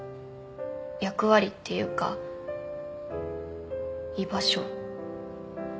役割っていうか居場所。